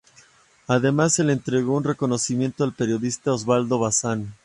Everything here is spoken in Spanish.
Además se le entregó un reconocimiento al periodista Osvaldo Bazán.